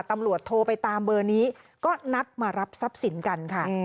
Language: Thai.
ตำรวจโทรไปตามเบอร์นี้ก็นัดมารับทรัพย์สินกันค่ะ